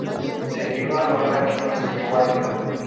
Se escribió una novela que nunca se llegó a editar.